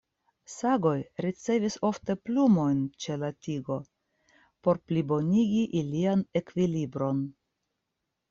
Sagoj ricevis ofte plumojn ĉe la tigo por plibonigi ilian ekvilibron.